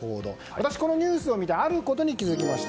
私このニュースを見てあることに気づきました。